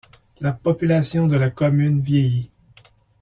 La population de la commune viellit.